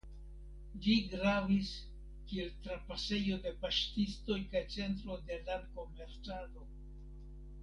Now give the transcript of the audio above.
Ĝi gravis kiel trapasejo de paŝtistoj kaj centro de lankomercado.